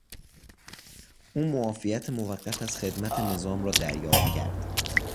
او معافیت موقت از خدمت نظام را دریافت کرد.